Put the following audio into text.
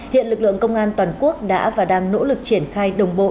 hiện lực lượng công an toàn quốc đã và đang nỗ lực triển khai đồng bộ